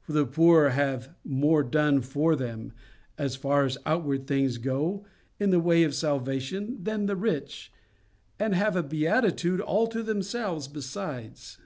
For the poor have more done for them, as far as outward things go, in the way of salvation than the rich, and have a beatitude all to themselves besides.